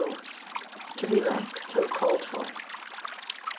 To be left till called for.